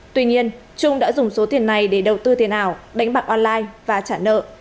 tuy nhiên trung đã dùng số tiền này để đầu tư tiền ảo đánh bạc online và trả nợ